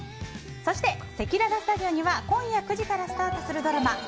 そしてせきららスタジオには今夜９時からスタートするドラマ